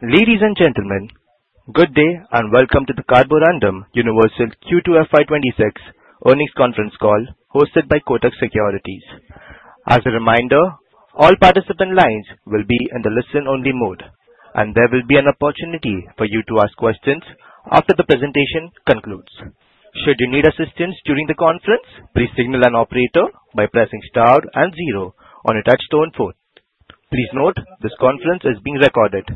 Ladies and gentlemen, good day and welcome to the Carborundum Universal Q2FY26 earnings conference call hosted by Kotak Securities. As a reminder, all participant lines will be in the listen-only mode and there will be an opportunity for you to ask questions after the presentation concludes. Should you need assistance during the conference, please signal an operator by pressing Star and zero on a Touch-Tone phone. Please note this conference is being recorded.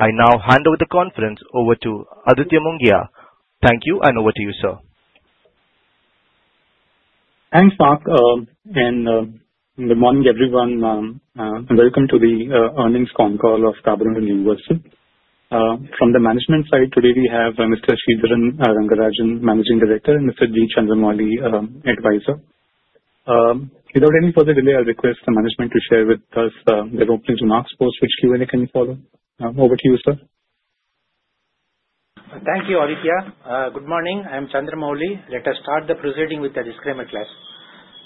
I now hand over the conference to Aditya Mongia. Thank you. And over to you, sir. Thanks, Mark, and good morning, everyone. Welcome to the earnings conference call of Carborundum Universal. From the management side, today we have Mr. Sridharan Rangarajan, Managing Director, Mr. G. Chandramouli, Advisor. Without any further delay, I'll request the management to share with us their opening remarks. Post which, Q&A can follow. Over to you, sir. Thank you. Aditya. Good morning. I am Chandramouli. Let us start the proceedings with the disclaimer clause.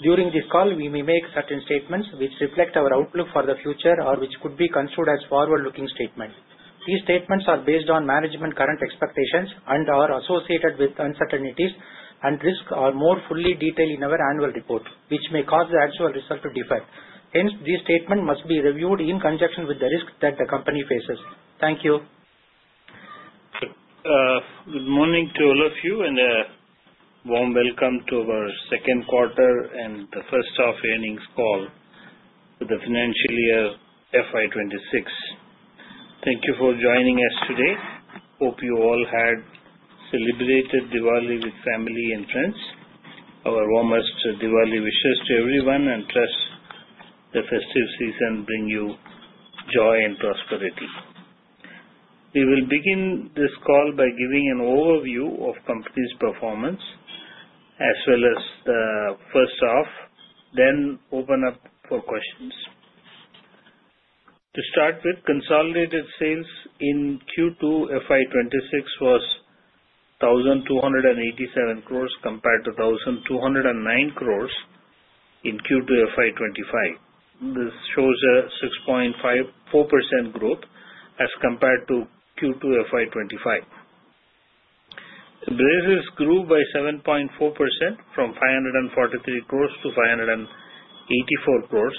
During this call we may make certain statements which reflect our outlook for the future or which could be construed as forward-looking statements. These statements are based on management's current expectations and are associated with uncertainties and risks as more fully detailed in our annual report which may cause the actual results to differ. Hence, this statement must be reviewed in conjunction with the risks that the company faces. Thank you. Good morning to all of you and a warm welcome to our second quarter and the first half earnings call for the financial year FY26. Thank you for joining us today. Hope you all had celebrated Diwali with family and friends. Our warmest Diwali wishes to everyone and trust the festive season bring you joy and prosperity. We will begin this call by giving an overview of company's performance as well as the first half. Then open up for questions. To start with, consolidated sales in Q2FY26 was 1,287 crores compared to 1,209 crores in Q2FY25. This shows a 6.4% growth as compared to Q2FY25. Abrasives grew by 7.4% from 543 crores to 584 crores.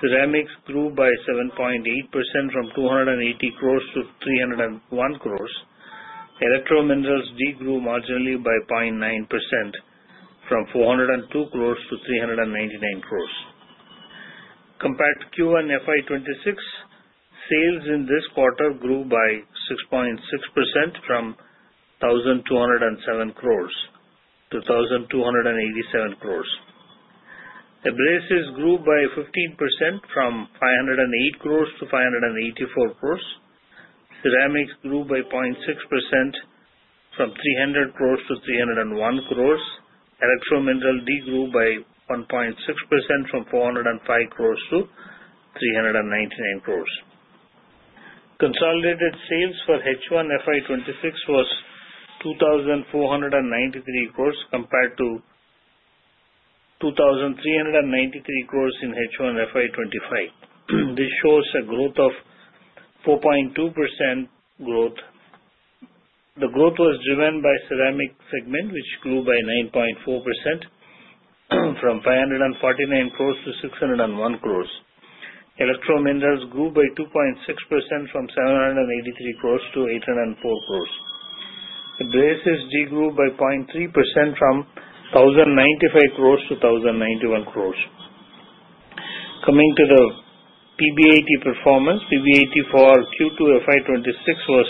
Ceramics grew by 7.8% from 280 crores to 301 crores. Electro Minerals degrew marginally by 0.9% from 402 crores to 399 crores compared to Q1FY26. Sales in this quarter grew by 6.6% from 1207 crores to 2287 crores. Abrasives grew by 15% from 508 crores to 584 crores. Ceramics grew by 0.6% from 300 crores to 301 crores. Electro Minerals degrew by 1.6% from 405 crores to 399 crores. Consolidated sales for H1FY26 was 2493 crores compared to. 2,393 crores in H1FY25. This shows a growth of 4.2%. The growth was driven by Ceramic segment which grew by 9.4% from 549 crores to 601 crores. Electro Minerals grew by 2.6% from 783 crores to 804 crores. The Abrasives grew by 0.3% from 1,095 crores to 1,091 crores. Coming to the PBIT performance, PBIT for Q2FY26 was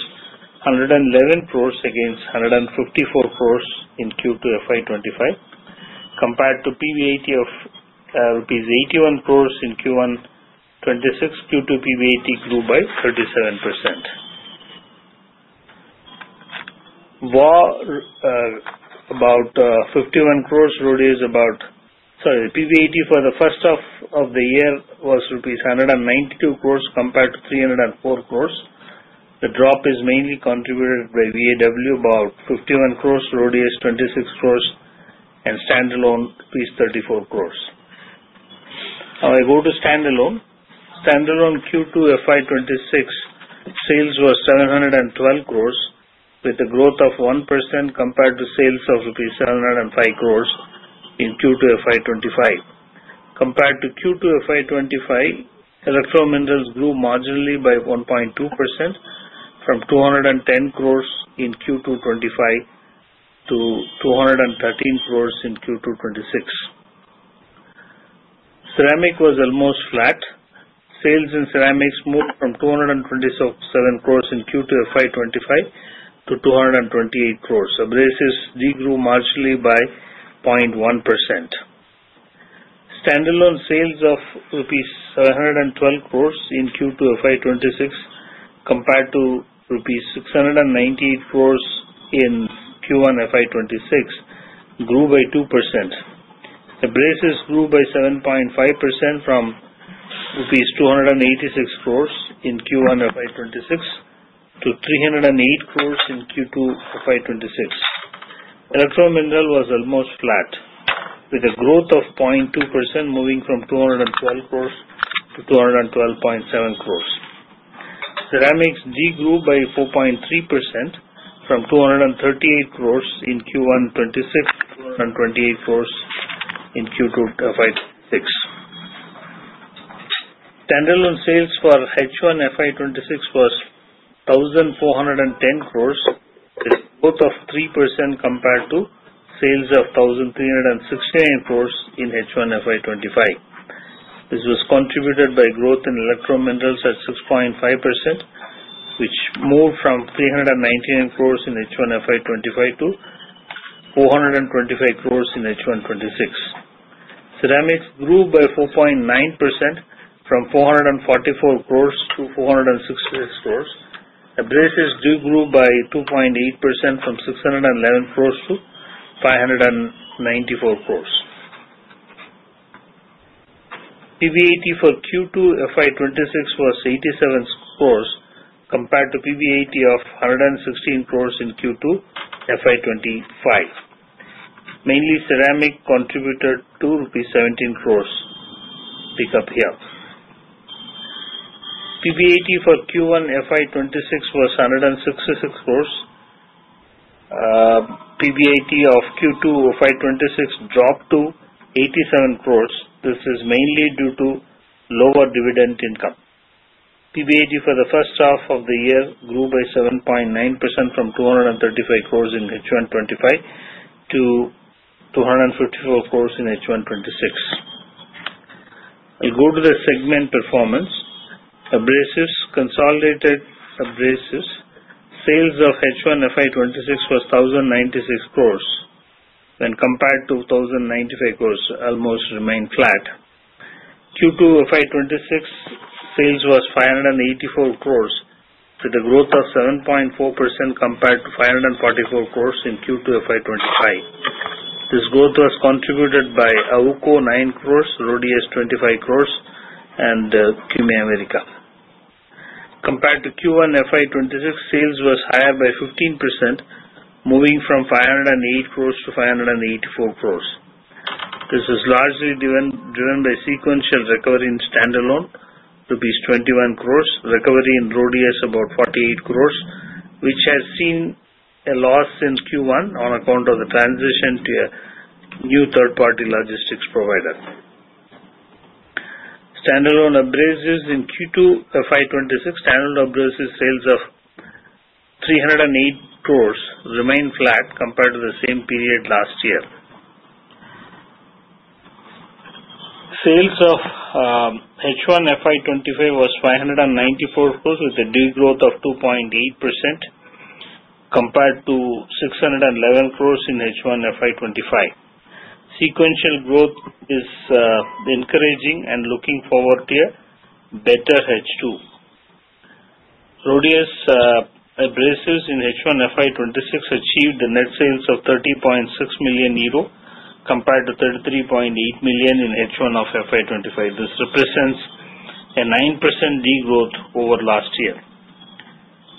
111 crores against 154 crores in Q2FY25 compared to PBIT of rupees 81 crores in Q1.26. Q2 PBIT grew by 37%. About 51 crores rupees, sorry. PBIT for the first half of the year was rupees 192 crores compared to 304 crores. The drop is mainly contributed by VAW about 51 crores rupees, RHODIUS 26 crores and standalone rupees 34 crores. Now I go to standalone. Standalone Q2FY26 sales were 712 crores with a growth of 1% compared to sales of INR 705 crores in Q2FY25. Electro Minerals grew marginally by 1.2% from 210 crores in Q2 FY25 to 213 crores in Q2 FY26. Ceramics was almost flat. Sales in Ceramics moved from 227 crores in Q2FY25 to 228 crores. Abrasives degrew marginally by 0.1%. Standalone sales of rupees 712 crores in Q2FY26 compared to rupees 698 crores in Q1FY26 grew by 2%. The Abrasives grew by 7.5% from rupees 286 crores in Q1 of FY26 to 308 crores in Q2 of FY26. Electro Minerals was almost flat with a growth of 0.2% moving from 212 crores to 212.7 crores. Ceramics degrew by 4.3% from 238 crores in Q1 FY26 to 128 crores in Q2 FY26. Standalone sales for H1 FY26 was 1,410 crores up 3% compared to sales of 1,369 crores in H1 FY25. This was contributed by growth in Electro Minerals at 6.5% which moved from 399 crores in H1 FY25 to 425 crores in H1 FY26. Ceramics grew by 4.9% from 444 crores to 466 crores. Abrasives grew by 2.8% from 611 crores to 594 crores. PBIT for Q2FY26 was 87 crores compared to PBIT of 116 crores in Q2FY25. Mainly Ceramics contributed to rupees 17 crores. Pick up here. PBIT for Q1FY26 was INR 166 crores. PBIT of Q2 2026 dropped to crores. This is mainly due to lower dividend income. PBIT for the first half of the year grew by 7.9% from 235 crores in H1 2025 to 254 crores in H1 2026. I'll go to the segment Performance Abrasives. Consolidated abrasives sales of H1 FY26 was 1,096 crores when compared to 2,095 crores, almost remained flat. Q2 FY26 sales was 584 crores with a growth of 7.4% compared to 544 crores in Q2 FY25. This growth was contributed by Auco 9 crores, RHODIUS 25 crores and QME America. Compared to Q1 FY26 sales was higher by 15% moving from 508 crores to 584 crores. This is largely driven by sequential recovery in standalone rupees 21 crores recovery in RHODIUS about 48 crores which has seen a loss in Q1 on account of the transition to a new third party logistics provider. Standalone abrasives in Q2FY26 standard abrasives sales of 308 crores remain flat compared to the same period last year. Sales of H1FY25 was 594 crores with a degrowth of 2.8% compared to 611 crores in H1FY24. Sequential growth is encouraging and looking forward to it better. RHODIUS Abrasives in H1FY25 achieved the net sales of 30.6 million euro compared to 33.8 million EUR in H1 of FY24. This represents a 9% degrowth over last year.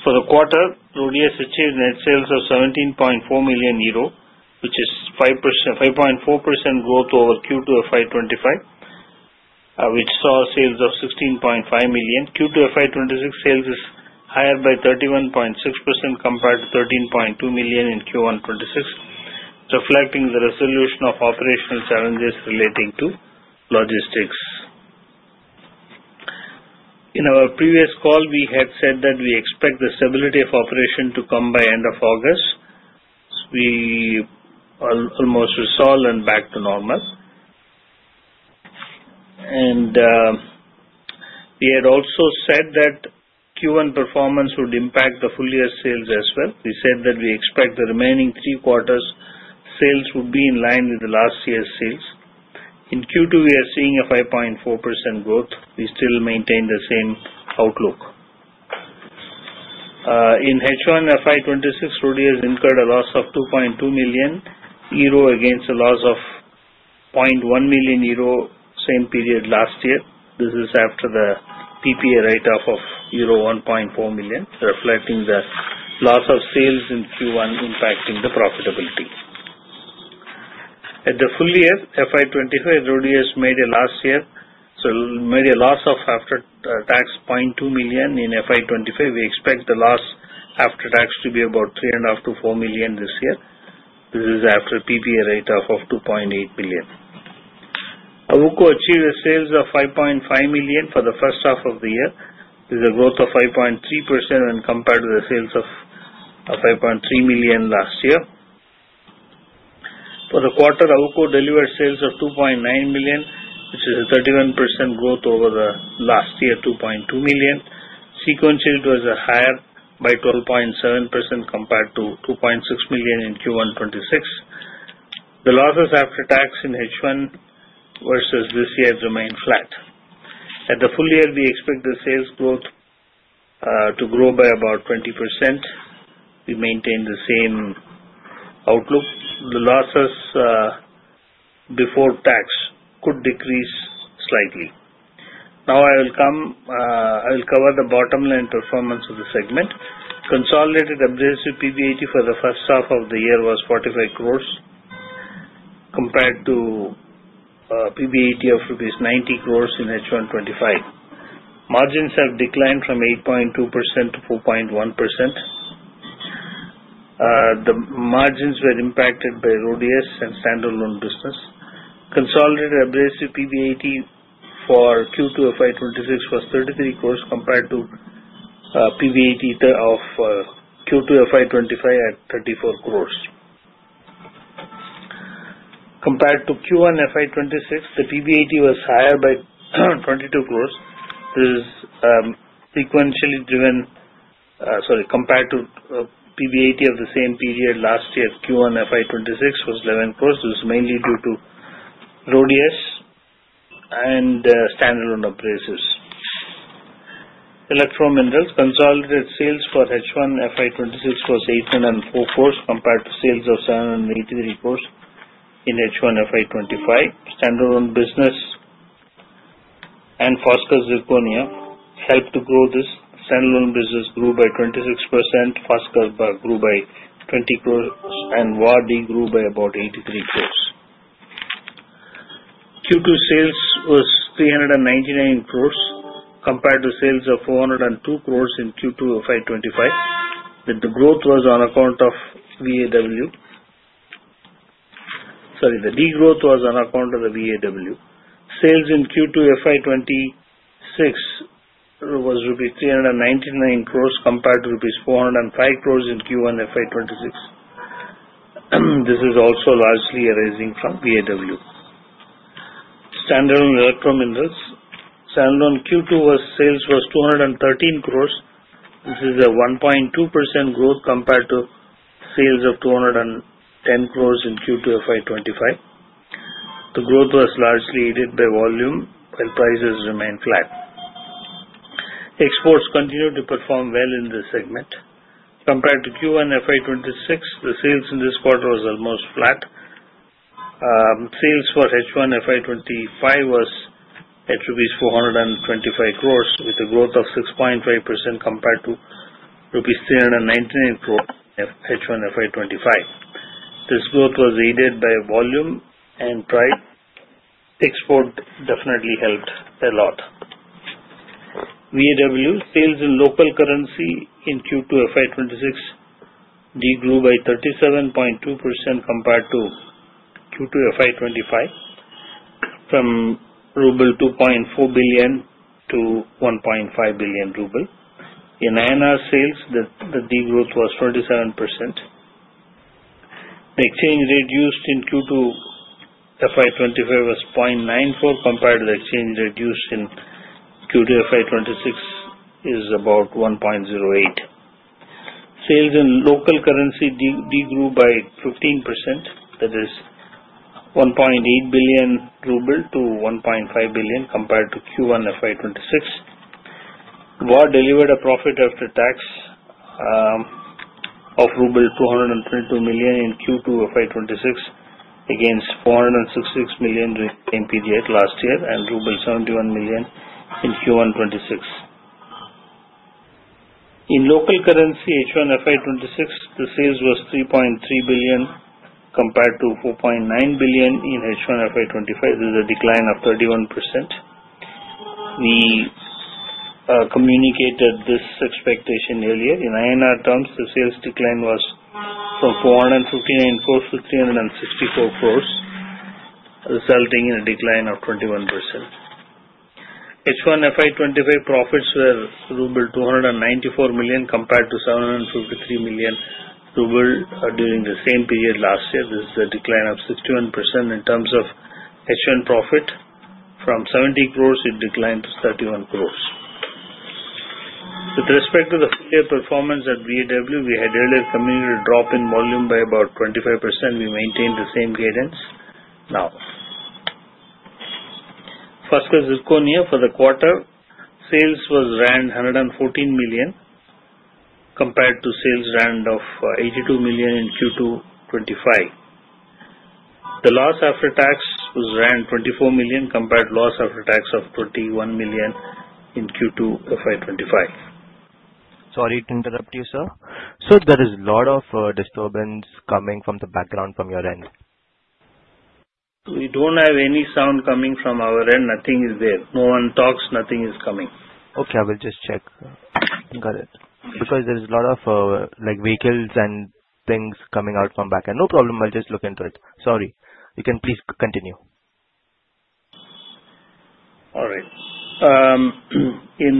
For the quarter RHODIUS achieved net sales of 17.4 million euro which is 5.4% growth over Q2 of FY24 which saw sales of 16.5 million EUR. Q2 FY25 sales is higher by 31.6% compared to 13.2 million EUR in Q1 FY25 reflecting the resolution of operational challenges relating to logistics. In our previous call we had said that we expect the stability of operation to come by end of August. Almost resolved and back to normal. And. We had also said that Q1 performance would impact the full year sales as well. We said that we expect the remaining 3/4 sales would be in line with the last year's sales. In Q2 we are seeing a 5.4% growth. We still maintain the same outlook. In H1 FY26 RHODIUS has incurred a loss of 2.2 million euro against a loss of 0.1 million euro same period last year. This is after the PPA write off of euro 1.4 million reflecting the loss of sales in Q1 impacting the profitability. In FY25, RHODIUS made a loss after tax of 0.2 million last year. We expect the loss after tax to be about 3.5-4 million this year. This is after PPA write-off of 2.8 billion. AWUKO achieved sales of 5.5 million for the first half of the year with a growth of 5.3% when compared to the sales of 5.3 million last year. For the quarter, AWUKO delivered sales of 2.9 million which is a 31% growth over the last year. 2.2 million sequence yield was higher by 12.7% compared to 2.6 million in Q1.26. The losses after tax in H1 versus this year remained flat. At the full year we expect the sales growth to grow by about 20%. We maintain the same outlook. The losses. Before tax could decrease slightly. Now I will cover the bottom line performance of the segment. Consolidated Abrasives PBIT for the first half of the year was 45 crores compared to PBIT of rupees 90 crores in H1 25. Margins have declined from 8.2% to 4.1%. The margins were impacted by RHODIUS and standalone business. Consolidated abrasive PBIT for Q2FY26 was 33 crores compared to PBIT of Q2FY25 at 34 crores. Compared to Q1FY26, the PBIT was higher by 22 crores. This sequentially, sorry, compared to the PBIT of the same period last year, Q1FY26 was 11 crores. This is mainly due to RHODIUS and standalone operations. Electro Minerals consolidated sales for H1 FY26 was 804 crores compared to sales of 783 crores in H1 FY25. Standalone business. Foskor's Zirconia helped to grow this standalone business grew by 26%. Foskor grew by 20 crores and Wendt grew by about 83 crores. Q2 sales was 399 crores compared to sales of 402 crores in Q2 of FY25. The growth was on account of VAW. Sorry, the degrowth was on account of the VAW. Sales in Q2FY26 was rupees 399 crores compared to rupees 405 crores in Q1FY26. This is also largely arising from VAW. Standalone Electro Minerals. Standalone Q2 sales was 213 crores. This is a 1.2% growth compared to sales of 210 crores in Q2FY25. The growth was largely aided by volume while prices remained flat. Exports continued to perform well in this segment compared to Q1 FY26. The sales in this quarter was almost flat. Sales for H1FY25 was at rupees 425 crores with a growth of 6.5% compared to rupees 399 crore H1FY25. This growth was aided by volume and price. Export definitely helped a lot. VAW sales in local currency in Q2FY26 degrew by 37.2% compared to Q2FY25 from ruble 2.4 billion to 1.5 billion ruble. In INR sales the de-growth was 27%. The exchange rate used in Q2FY25 was 0.94, compared to the exchange rate used in Q2FY26, which is about 1.08. Sales in local currency degrew by 15%. That is 1.8 billion ruble to 1.5 billion compared to Q1FY26. WA delivered a profit after tax. Ruble 222 million in Q2 FY26 against 466 million during same period last year and 71 million in Q1 FY26. In local currency H1FY26, the sales was RUB 3.3 billion compared to RUB 4.9 billion in H1FY25. This is a decline of 31%. We communicated this expectation earlier. In INR terms the sales decline was from 459 crores to 364 crores resulting in a decline of 21%. H1FY25 profits were ruble 294 million compared to 753 million ruble during the same period last year. This is a decline of 61% in terms of H1 profit from 70 crores, it declined to 31 crores. With respect to the full year performance at VAW, we had earlier communicated a drop in volume by about 25%. We maintained the same guidance. Now. Foskor Zirconia for the quarter sales was around rand 114 million compared to sales of 82 million rand in Q2 FY25. The loss after tax was rand 24 million compared to loss after tax of 21 million in Q2 FY25. Sorry to interrupt you, sir. So there is lot of disturbance coming from the background from your end. We don't have any sound coming from our end. Nothing is there. No one talks. Nothing is coming. Okay, I will just check. Got it. Because there is a lot of like vehicles and things coming out from backend. No problem. I'll just look into it. Sorry. You can please continue. All right. In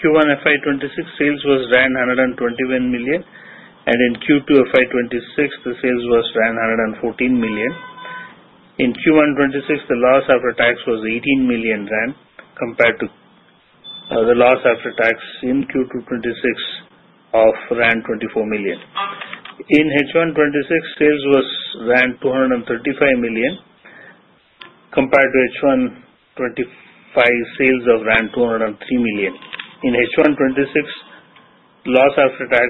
Q1 FY26 sales was 121 million. In Q2 FY26 the sales was 114 million. In Q1 26, the loss after tax was 18 million Rand compared to the loss after tax in Q2 26 of rand 24 million. In H1 26 sales was rand 235 million compared to H1 25 sales of rand 203 million. In H1 26 loss after tax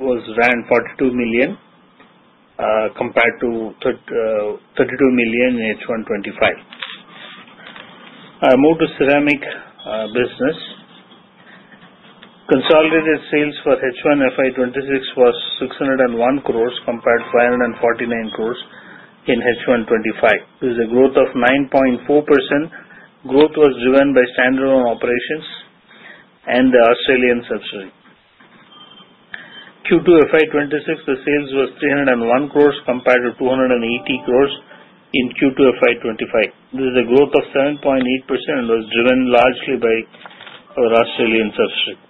was rand 42 million compared to 30.32 million in H1 25. I move to Ceramics business. Consolidated sales for H1 FY26 were 601 crores compared to 549 crores in H1 FY25. This is a growth of 9.4%. Growth was driven by standalone operations and the Australian subsidiary. FY26. The sales was 301 crores compared to 280 crores in Q2 of FY25. This is a growth of 7.8% and was driven largely by our Australian subsidiary.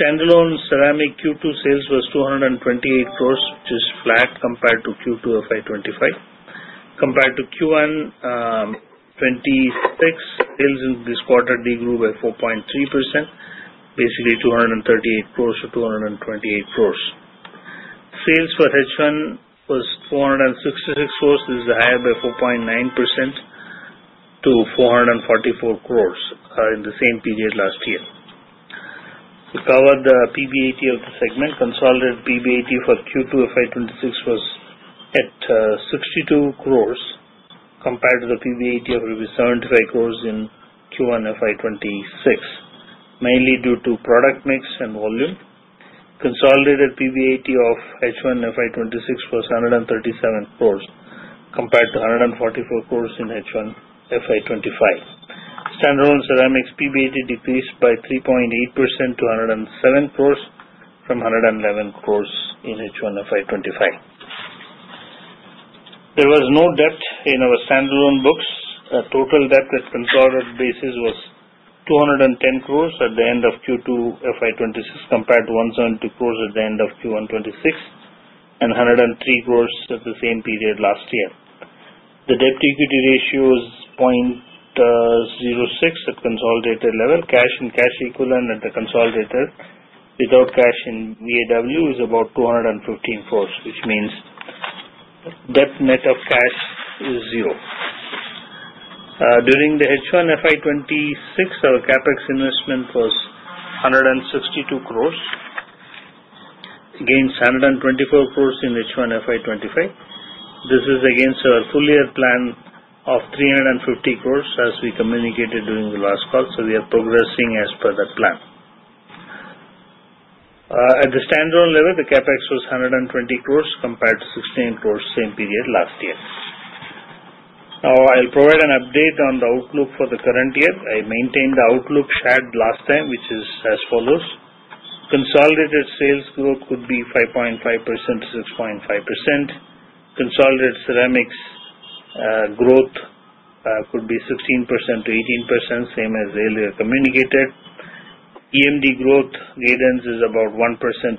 Standalone Ceramics Q2 sales was 228 crores which is flat compared to Q2 FY25 compared to Q1 FY26 sales in this quarter degrew by 4.3%. Basically 238 crores or 228 crores. Sales for H1 was 466 crores. This is higher by 4.9% to 444 crores in the same period last year. We covered the PBIT of the segment consolidated. PBIT for Q2 FY26 was at 62 crores compared to the PBIT in Q1 FY26 of 75 crores mainly due to product mix and volume. Consolidated PBIT of H1 FY26 was 137 crores compared to 144 crores in H1 FY25. Standalone Ceramics PBIT decreased by 3.8% to 107 crores from 111 crores in H1 FY25. There was no debt in our standalone books. Total debt at consolidated basis was 210 crores at the end of Q2 FY26 compared to 170 crores at the end of Q1 26 and 103 crores at the same period last year. The debt to equity ratio is 0.06 at consolidated level. Cash and cash equivalent at the consolidated without cash in VAW is about 215 crores which means that net debt is zero. During the H1FY26 our CapEx investment was 162 crores against 124 crores in H1FY25. This is against our full year plan of 350 crores as we communicated during the last call. So we are progressing as per the plan. At the standalone level, the Capex was 120 crores compared to 16 crores same period last year. Now I'll provide an update on the outlook for the current year. I maintained the outlook shared last time, which is as follows. Consolidated sales growth could be 5.5%-6.5%. Consolidated Ceramics growth could be 16%-18%. Same as earlier. Communicated EMD growth cadence is about 1%-2%.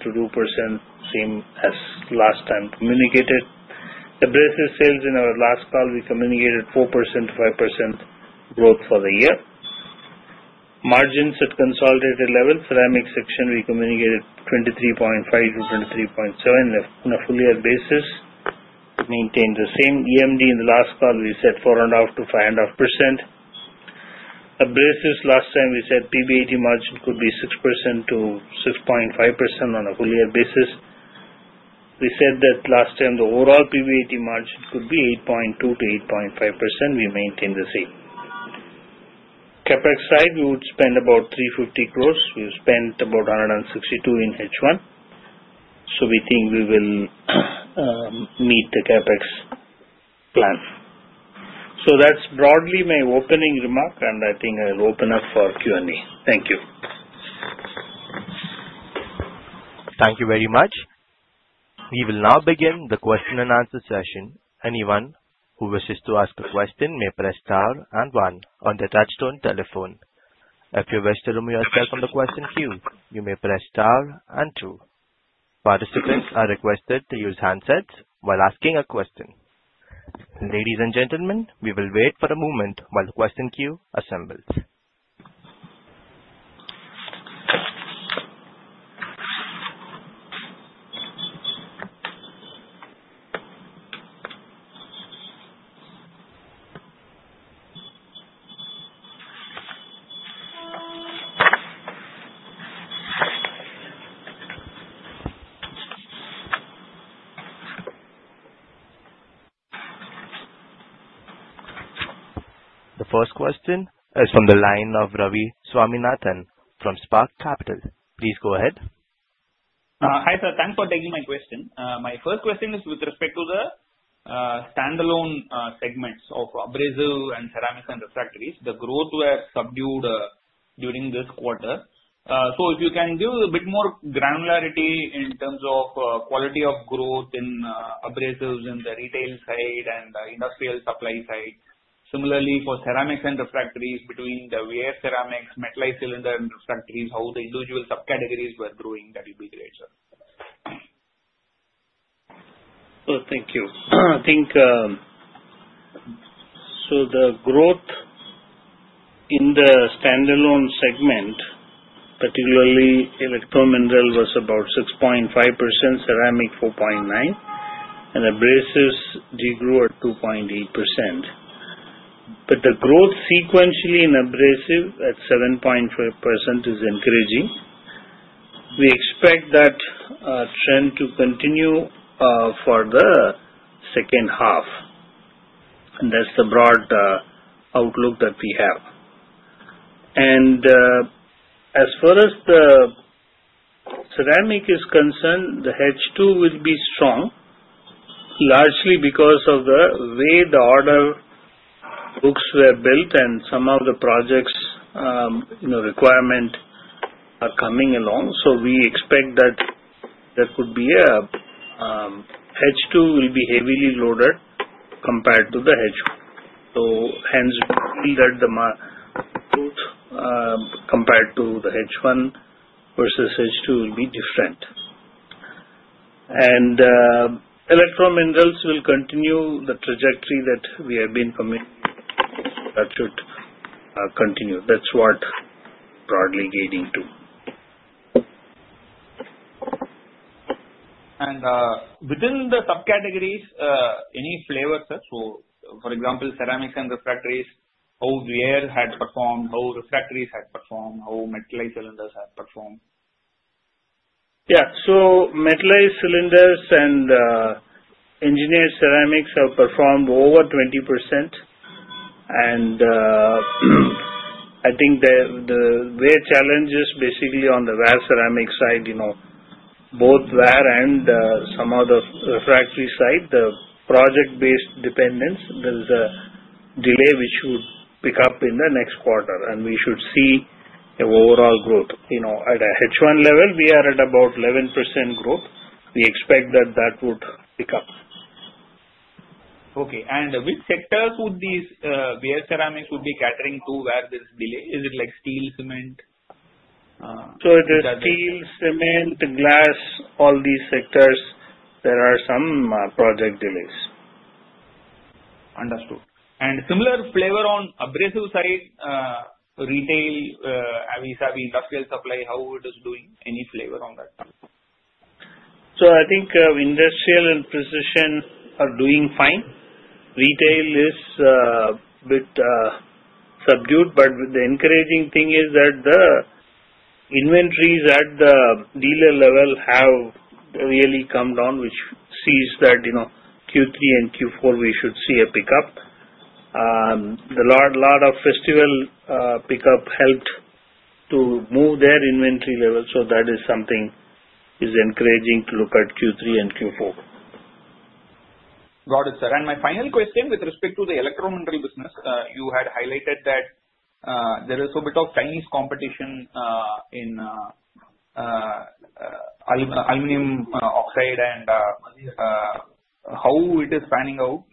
Same as last time. Communicated abrasive sales. In our last call, we communicated 4%-5% growth for the year. Margins at consolidated level, Ceramics section, we communicated 23.5%-23.7% on a full year basis. Maintained the same EMD. In the last call, we said 4.5%-5.5% abrasives. Last time, we said PBIT margin could be 6%-6.5% on a full year basis. We said that last time. The overall PBIT margin could be 8.2%-8.5%. We maintain the same CapEx side. We would spend about 350 crores. We spent about 162 in H1. So we think we will meet the CapEx. So that's broadly my opening remark and I think I will open up for Q&A. Thank you. Thank you very much. We will now begin the question and answer session. Anyone who wishes to ask a question may press star and one on the Touch-Tone telephone. If you wish to remove yourself on the question queue, you may press star and two. Participants are requested to use handsets while asking a question. Ladies and gentlemen, we will wait for a moment while the question queue assembles. The first question is from the line of Ravi Swaminathan from Spark Capital. Please go ahead. Hi sir, thanks for taking my question. My first question is with respect to the standalone segments of Abrasives and Ceramics and Refractories. The growth were subdued during this quarter. So if you can give a bit more granularity in terms of quality of growth in Abrasives in the retail side and industrial supply side. Similarly for Ceramics and Refractories. Between the wear Ceramics, Metallized Cylinders refractories, how the individual subcategories were growing. That would be great sir. Thank you. I think. So the growth in the standalone segment, particularly Electro Minerals was about 6.5%, Ceramics 4.9% and Abrasives degrew at 2.8%. But the growth sequentially in Abrasives at 7.5% is encouraging. We expect that trend to continue for the second half. That's the broad outlook that we have. And as far as the Ceramics is concerned the H2 will be strong largely because of the way the order books were built and some of the projects requirement are coming along. So we expect that there could be a H2 will be heavily loaded compared to the H1. So hence the. Compared to the H1 versus H2 will be different. Electro Minerals will continue the trajectory that we have been committing to. That should continue. That's what we're broadly aiming to. And within the subcategories, any flavor, sir. So for example, Ceramics and Refractories. How Wear had performed, how Refractories had performed, how Metallized Cylinders have performed. Yeah, so Metallized Cylinders and Engineered Ceramics have performed over 20%. And. I think the main challenges basically on the wear Ceramics side, both in wear and some other refractories side. The project-based dependence there is a delay which would pick up in the next quarter. We should see overall growth at a high single-digit level. We are at about 11% growth. We expect that would pick up. Okay. Which sectors would these wear Ceramics be catering to? Where this delay is, is it like steel, cement? So the steel, cement, glass. All these sectors. There are some project delays. Understood. And similar flavor on Abrasive side. Retail versus industrial supply, how it is doing, any flavor on that. I think industrial and precision are doing fine. Retail is a bit subdued. But the encouraging thing is that the inventories at the dealer level have really come down, which means that, you know, Q3 and Q4 we should see a pickup. A lot of festival pickup helped to move their inventory level. That is something encouraging to look at Q3 and Q4. Got it, sir. And my final question with respect to the Electro Minerals business. You had highlighted that there is a bit of Chinese competition in. Aluminum oxide and. How it is panning out.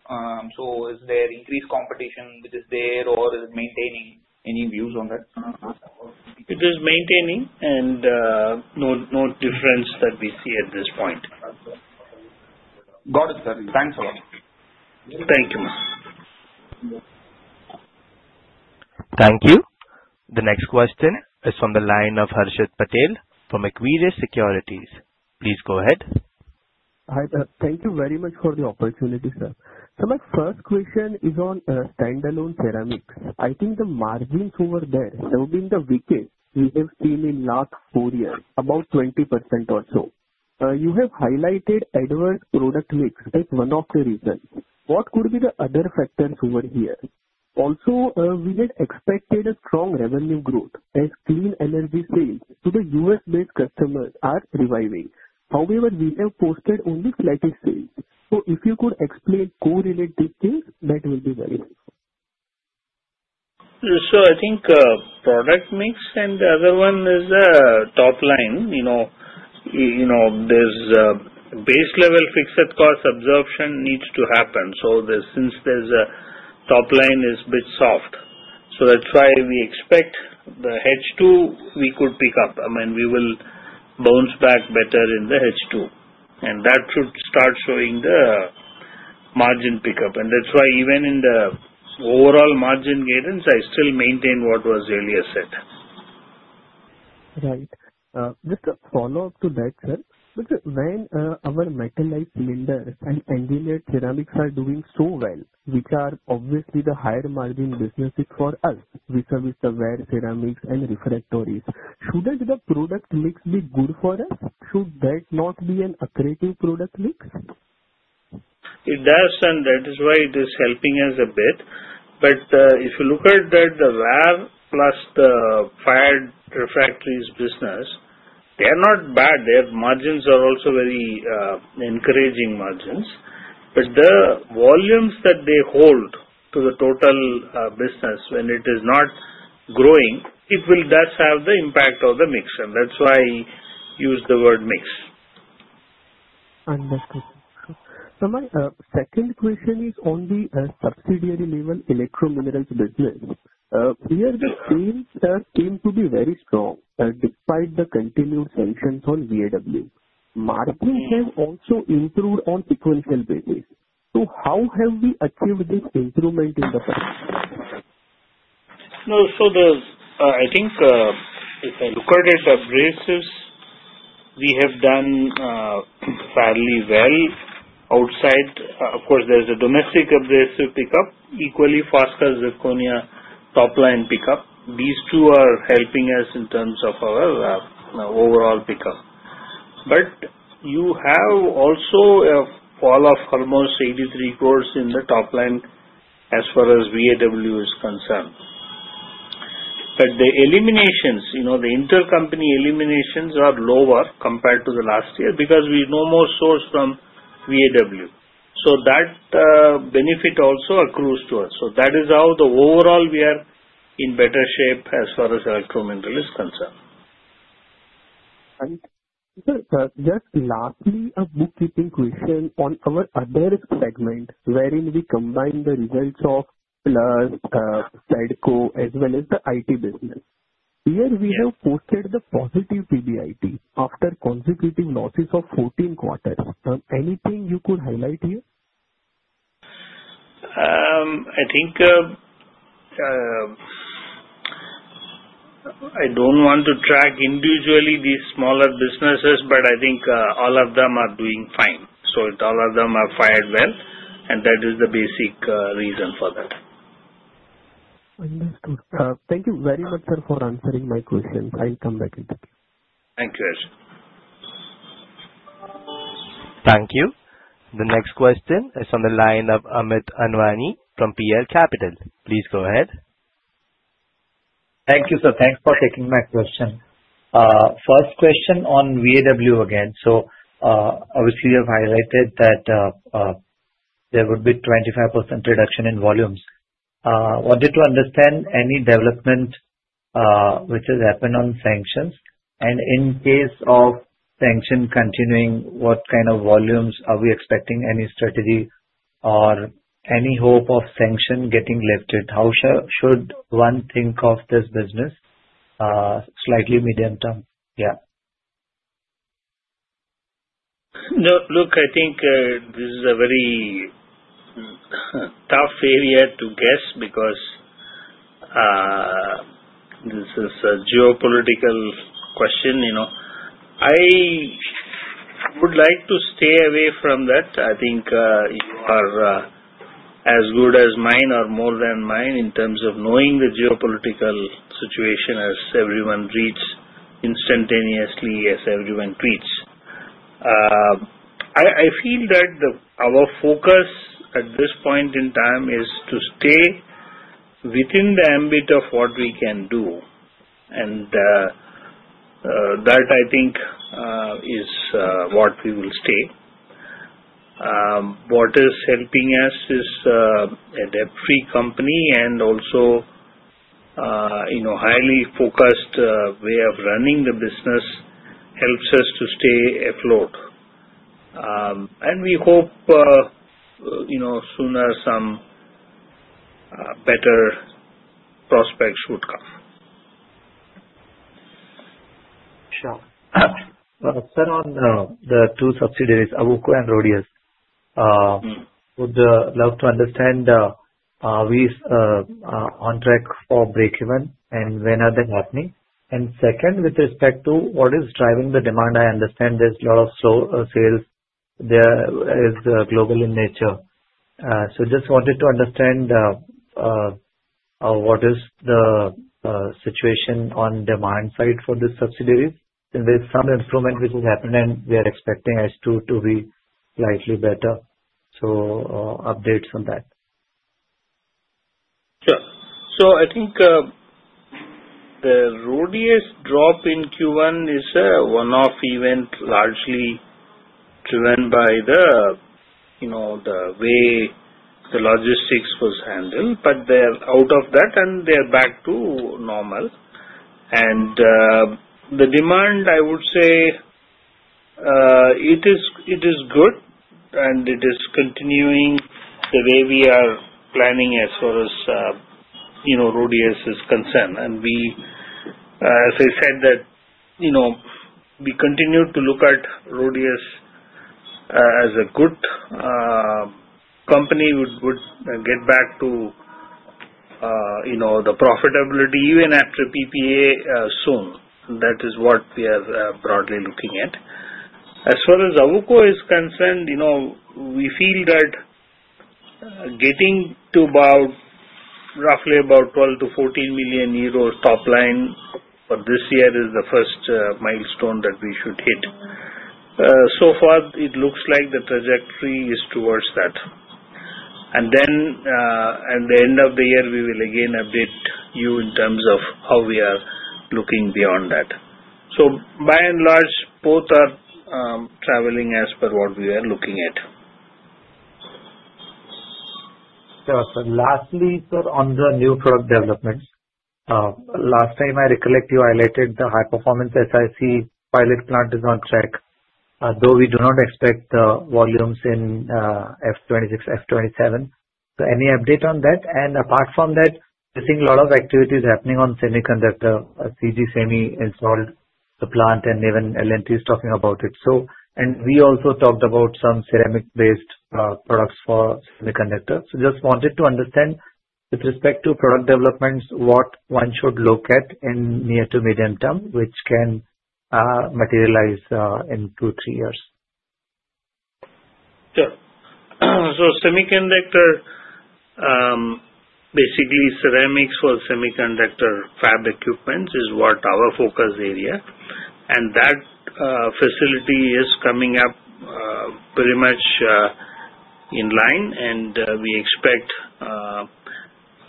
So is there increased competition which is there or is it maintaining? Any views on that? It is maintaining, and no difference that we see at this point. Got it, sir. Thanks a lot. Thank you. Thank you. The next question is from the line of Harshit Patel from Equirus Securities. Please go ahead. Thank you very much for the opportunity, sir. So my first question is on standalone Ceramics. I think the margins over there have been the weakest we have seen in last four years. About 20% or so. You have highlighted adverse product mix. That's one of the reasons. What could be the other factors over here? Also we had expected a strong revenue growth as clean energy sales to the U.S.-based customers are reviving. However, we have posted only flattish sales. So if you could explain correlate these things, that will be very helpful. So, I think product mix and the other one is the top line. You know, there's base level fixed cost absorption needs to happen. So, since there's a top line is bit soft. So, that's why we expect the H2 we could pick up. I mean, we will bounce back better in the H2 and that should start showing the margin pickup. And, that's why even in the overall margin guidance I still maintain what was earlier said. Right. Just a follow up to that, sir. When our Metallized Cylinders and engineered Ceramics are doing so well, which are obviously the higher margin businesses for us, whereas the wear Ceramics and Refractories. Shouldn't the product mix be good for us? Should that not be an accretive product mix? It does and that is why it is helping us a bit. But if you look at that, the wear plus the fired refractories business, they are not bad. Their margins are also very encouraging margins. But the volumes that they hold to the total business when it is not growing, it will thus have the impact of the mix. And that's why we use the word mix. Understood. So my second question is on the subsidiary level Electro Minerals business. Here the sales came to be very strong despite the continued sanctions on VAW. Margins have also improved on sequential basis. So how have we achieved this improvement in the past? No. So I think if I look at it, abrasives, we have done fairly well. Outside of course there's a domestic abrasive pickup, equally Foskor's Zirconia top line pickup. These two are helping us in terms of our overall pickup. But you have also a fall of almost 83 crores in the top line as far as VAW is concerned. But the eliminations, you know, the intercompany eliminations are lower compared to the last year because we no more source from VAW. So that benefit also accrues to us. So that is how the overall, we're in better shape as far as Electro Minerals is concerned. Just lastly a bookkeeping question on our other segment wherein we combine the results of Foseco as well as the IT business. Here we have posted the positive PBIT after consecutive losses of 14 quarters. Anything you could highlight here? I think. I don't want to track individually these smaller businesses, but I think all of them are doing fine, so all of them are fine, well, and that is the basic reason for that. Understood. Thank you very much sir for answering my questions. I'll come back. Thank you. Thank you. The next question is on the line of Amit Anwani from PL Capital. Please go ahead. Thank you sir. Thanks for taking my question. First question on VAW again. So obviously you have highlighted that there would be 25% reduction in volumes. Wanted to understand any development which has happened on sanctions. And in case of sanctions continuing, what kind of volumes are we expecting? Any strategy or any hope of sanctions getting lifted? How should one think of this business? Slightly medium term? Yeah. No, look, I think this is a very. Tough area to guess because. This is a geopolitical question. I would like to stay away from that. I think you are as good as mine or more than mine in terms of knowing the geopolitical situation as everyone reads instantaneously as everyone tweets. I feel that our focus at this point in time is to stay within the ambit of what we can do. That I think is what we will stay. What is helping us is a debt free company and also. Highly focused way of running the business. Helps us to stay afloat. We hope, you know, sooner some. Better prospects would come. Turning to the two subsidiaries, AWUKO and RHODIUS, would love to understand are we on track for breakeven and when are they happening. And second, with respect to what is driving the demand, I understand there's a lot of sales, they're global in nature. So just wanted to understand. What is the situation on demand side for this subsidiary and there's some improvement which has happened and we are expecting H2 to be slightly better, so updates on that? Sure, so I think. The rawest drop in Q1 is a one-off event largely driven by the, you know, the way the logistics was handled. But they are out of that and they are back to normal. And the demand, I would say. It is good and it is continuing the way we are planning as far as RHODIUS is concerned and we as I said that we continue to look at RHODIUS as a good. Company would get back to. The profitability even after PPA soon. That is what we are broadly looking at as far as AWUKO is concerned. We feel that getting to about roughly about 12-14 million euro top line for this year is the first milestone that we should hit so far. It looks like the trajectory is towards that. And then at the end of the year we will again update you in terms of how we are looking beyond that. So by and large both are traveling as per what we are looking at. Lastly, sir, on the new product developments, last time I recollect you highlighted the high-performance SiC pilot plant is on track, though we do not expect the volumes in FY26, FY27, so any update on that? And apart from that, I think a lot of activities happening on semiconductor. CGCRI installed the plant, and even L&T is talking about it. So and we also talked about some Ceramic-based products for semiconductors. Just wanted to understand with respect to product developments what one should look at in near- to medium-term which can materialize in two, three years. Sure. So semiconductor. Basically, Ceramics for semiconductor fab equipment is what our focus area, and that facility is coming up pretty much in line, and we expect.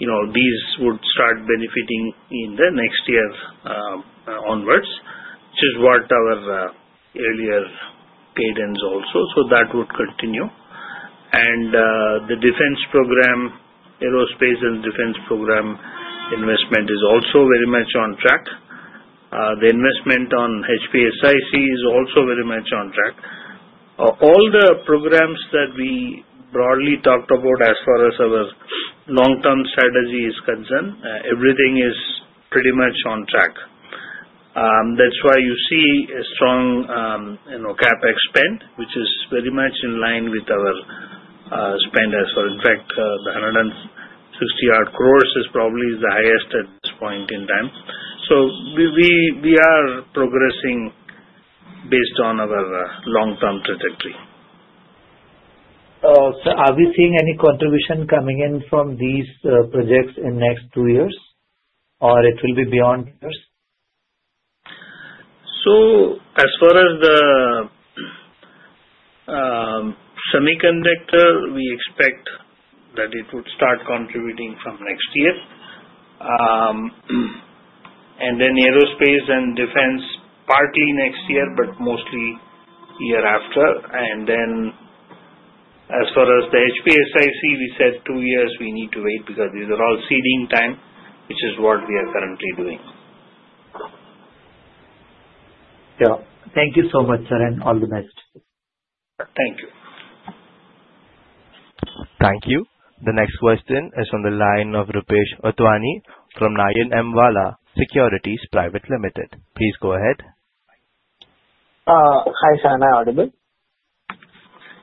You know, these would start benefiting in the next year onwards, which is what our earlier cadence also. So that would continue, and the defense program, aerospace and defense program investment is also very much on track. The investment on HPSiC is also very much on track. All the programs that we broadly talked about as far as our long term strategy is concerned, everything is pretty much on track. That's why you see a strong CapEx spend which is very much in line with our spend as well. In fact, the 160-odd crores is probably the highest at this point in time, so we are progressing based on our long term trajectory. Are we seeing any contribution coming in from these projects in next two years or it will be beyond years? So as far as the. Semiconductor, we expect that it would start contributing from next year. And then aerospace and defense partly next year but mostly year after. And then as far as the HPSiC, we said two years we need to wait because these are all seeding time which is what we are currently doing. Thank you so much sir and all the best. Thank you. Thank you. The next question is from the line of Rupesh Utwani from Nayan M. Vala Securities Private Limited. Please go ahead. Hi sir, am I audible?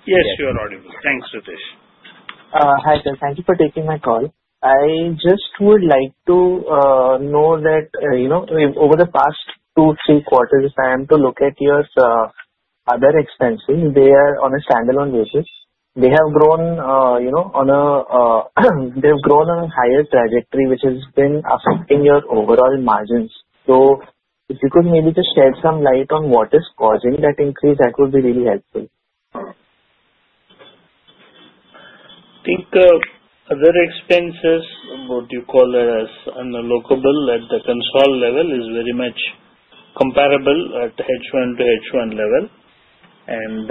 Yes, you are audible. Thanks Ritesh. Hi, sir. Thank you for taking my call. I just would like to know that, you know, over the past two three quarters if I am to look at your other expenses, they are on a standalone basis they have grown, you know. They have grown on a higher trajectory which has been affecting your overall margins. So if you could maybe just shed some light on what is causing that increase, that would be really helpful. I think other expenses, what you call it as unallocable at the consolidated level is very much comparable at H1 to H1 level. And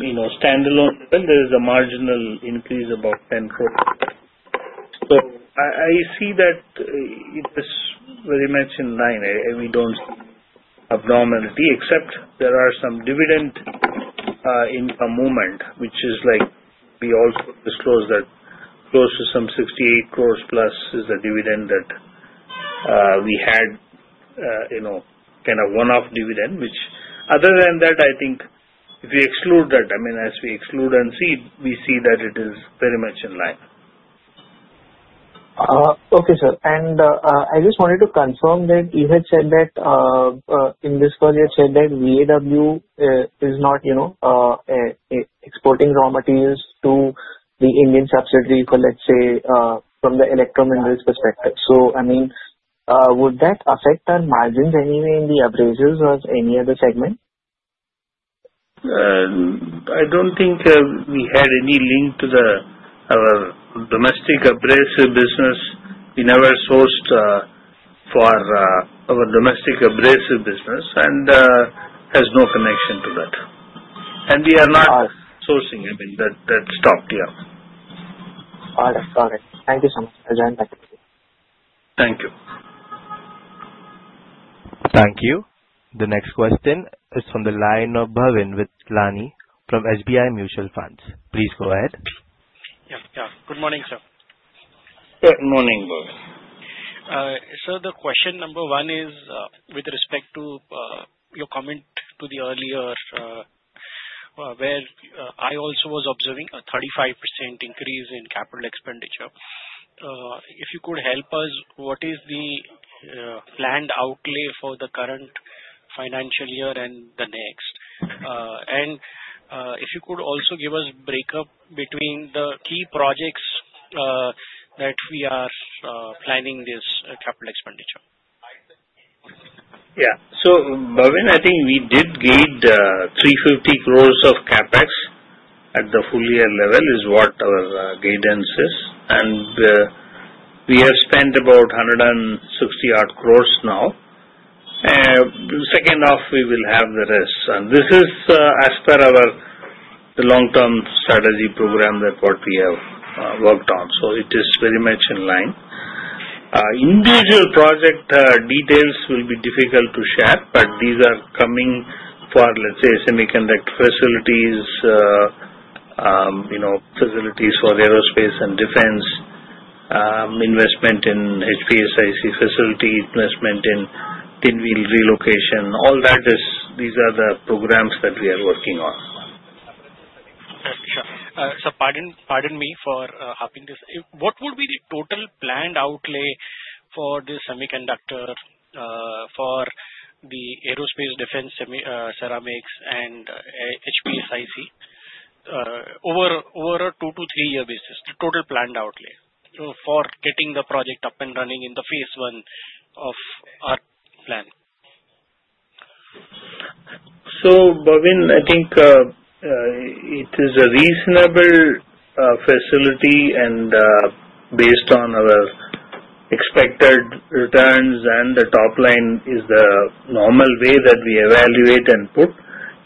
you know, standalone level there is a marginal increase about 10 crore. So I see that it is very much in line. We don't see abnormality except there are some dividend income movement which is like we also disclosed that close to some 68 crores plus is the dividend that we had, you know, kind of one-off dividend which other than that I think if you exclude that, I mean as we exclude those we see that it is very much in line. Okay, sir, and I just wanted to confirm that you had said that in this project said that VAW is not, you know, exporting raw materials to the Indian subsidiary for, let's say, from the Electro Minerals perspective. So, I mean, would that affect our margins anyway in the abrasives or any other segment? I don't think we had any link to the domestic abrasive business. We never sourced for our domestic abrasive business and has no connection to that and we are not sourcing. I mean that that stopped. Yeah. Thank you so much. I'll join back. Thank you. Thank you. The next question is from the line of Bhavin Vithlani from SBI Mutual Fund. Please go ahead. Good morning, sir. Good morning, Bhavin. So the question number one is with respect to your comment to the earlier. Where I also was observing a 35% increase in capital expenditure. If you could help us what is the planned outlay for the current financial year and the next, and if you could also give us break-up between the key projects that we are planning this capital expenditure? Yeah, so Bhavin, I think we did gate 350 crores of CapEx at the full year level. That is what our guidance is, and we have spent about 160 odd crores now. Second half, we will have the rest, and this is as per our long term strategy program that what we have worked on. So it is very much in line. Individual project details will be difficult to share, but these are coming for, let's say, semiconductor facilities. You know, facilities for aerospace and defense, investment in HPSiC facility, investment in thin wheel relocation, all that is, these are the programs that we are working on. Pardon me for harping on this. What would be the total planned outlay for the semiconductor, for the aerospace, defense, Ceramics and HPSiC over a two to three-year basis? The total planned outlay for getting the project up and running in the phase one of our plan. So, Bhavin, I think it is a reasonable facility and based on our expected returns and the top line is the normal way that we evaluate and put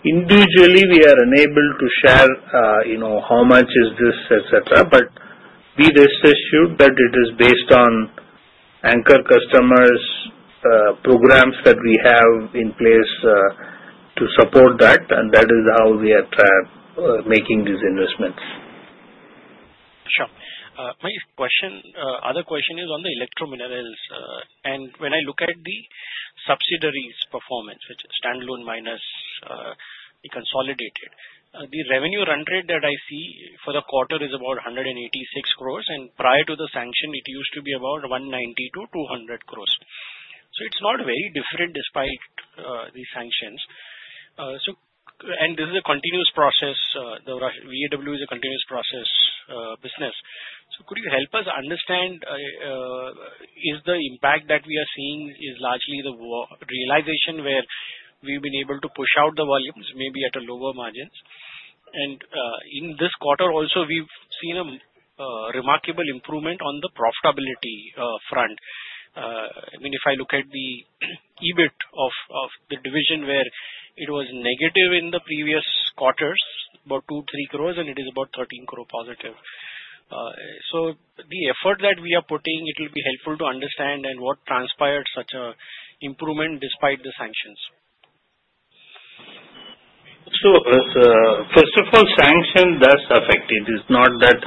individually. We are unable to share, you know, how much is this etc. But we rest assured that it is based on anchor customers programs that we have in place to support that and that is how we are making these investments. Sure, my other question is on the Electro Minerals and when I look at the subsidiaries' performance which standalone minus. The revenue run rate that I see for the quarter is about 186 crores, and prior to the sanction it used to be about 190-200 crores, so it's not very different despite the sanctions. And this is a continuous process. The VAW is a continuous process business. So could you help us understand? Is the impact that we are seeing largely the driver realization where we've been able to push out the volumes maybe at a lower margins and in this quarter also we've seen a remarkable improvement on the profitability front. I mean if I look at the EBIT of the division where it was negative in the previous quarters about two-three crores and it is about 13 crores positive. The effort that we are putting it will be helpful to understand and what transpired such a improvement despite the sanctions. So, first of all, sanction does affect. It is not that.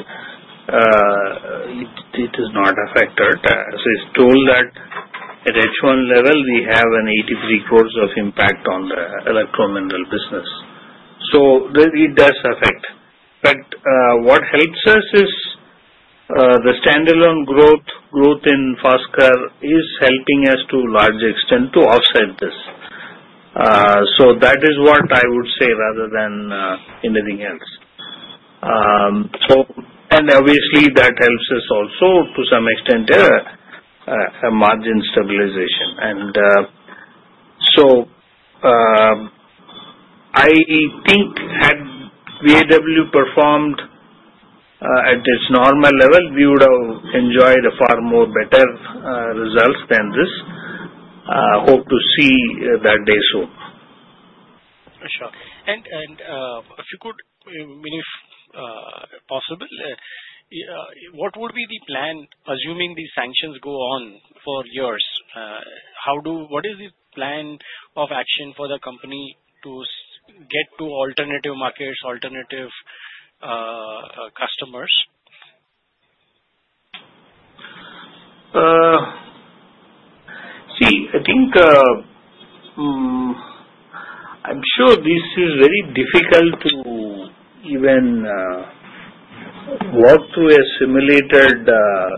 It is not affected. So it is told that at H1 level we have an 83 crores of impact on the Electro Minerals business. So it does affect but what helps us is the standalone growth. Growth in Foskor is helping us to large extent to offset this. So that is what I would say rather than anything else. And obviously that helps us also to some extent a margin stabilization. And so. I think, had VAW performed at its normal level, we would have enjoyed far more better results than this. Hope to see that day soon. Sure. If you could, if possible, what would be the plan? Assuming these sanctions go on for years, what is the plan of action for the company to get to alternative markets, alternative? Customers? See, I think. I'm sure this is very difficult to even. Walk through a simulated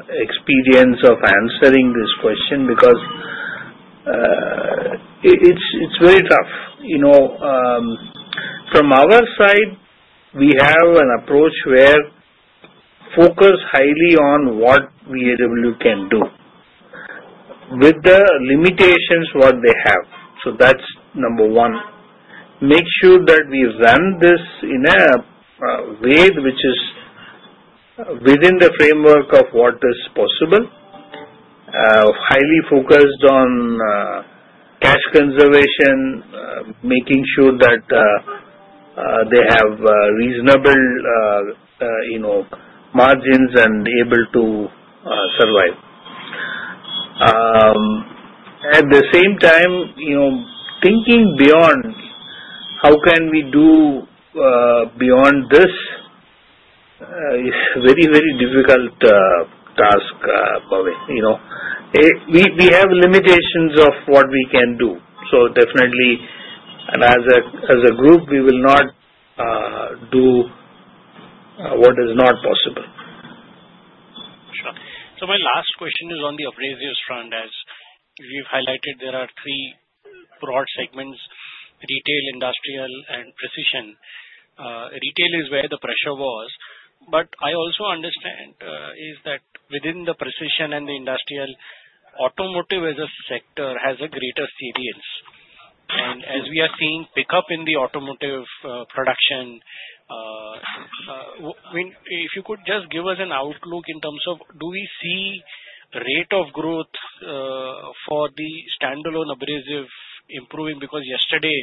experience of answering this question because. It's very tough. From our side we have an approach where focus highly on what VAW can do with the limitations what they have. So that's number one, make sure that we run this in a way which is within the framework of what is possible. Highly focused on cash conservation, making sure that they have reasonable. Margins and able to survive. At the same time, thinking beyond how can we do beyond this. Very very difficult task. Bhavin, you know we have limitations of what we can do. So definitely as a group we will not do what is not possible. So my last question is on the abrasives front as we've highlighted there are three broad segments retail, industrial and precision. Retail is where the pressure was. But I also understand that within the precision and the industrial, automotive as a sector has a greater salience and as we are seeing pickup in the automotive production. If you could just give us an outlook in terms of do we see rate of growth for the standalone abrasive improving because yesterday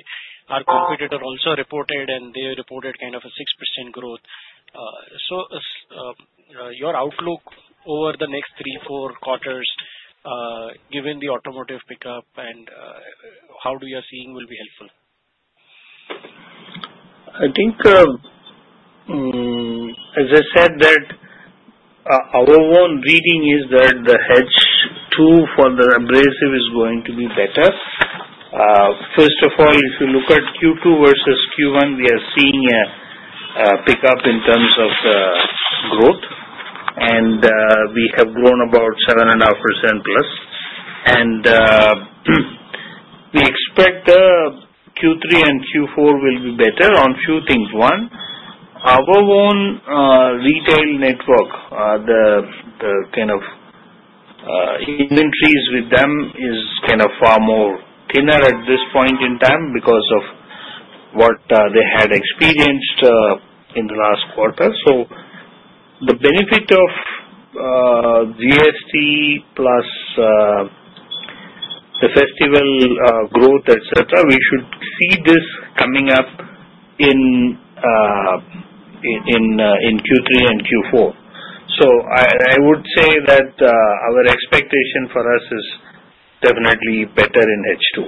our competitor also reported and they reported kind of a 6% growth, so your outlook over the next three four quarters given the automotive pickup and how do you see will be helpful. I think. As I said that our own reading is that the H2 for the abrasive is going to be better. First of all, look at Q2 versus Q1. We are seeing a pickup in terms of growth and we have grown about 7.5% plus and. We expect Q3 and Q4 will be better on few things. One, our own retail network, the kind of inventories with them is kind of far more thinner at this point in time because of what they had experienced in the last quarter. So the benefit of GST plus. The festival growth, etc. We should see this coming up. In Q3 and Q4. So I would say that our expectation for us is definitely better in H2.